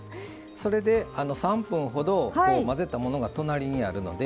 それで３分ほど混ぜたものが隣にあるので。